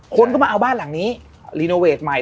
คนก็มาเอาบ้านหลังนี้รีโนเวทใหม่